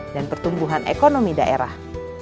dan pertumbuhan ekonomi daerah